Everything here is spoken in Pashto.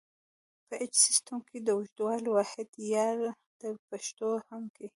په ایچ سیسټم کې د اوږدوالي واحد یارډ دی په پښتو کې هم.